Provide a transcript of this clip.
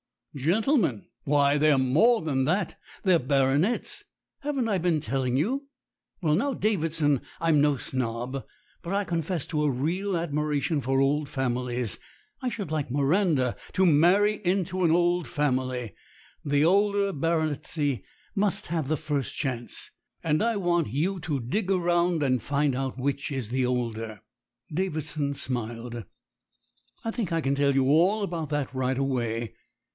"Gentlemen? Why, they're more than that. They're baronets. Haven't I been telling you ? Well, now, Davidson, I'm no snob, but I confess to a real admiration for old families. I should like Miranda to marry into an old family. The older baronetcy must have the first chance, and I want you to dig around and find out which is the older." Davidson smiled. "I think I can tell you all about that right away.